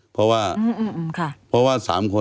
เพราะว่า